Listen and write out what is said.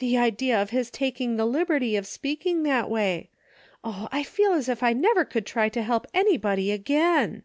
The idea of his taking the liberty of speaking that way. Oh, I feel as if I never could try to help anybody again."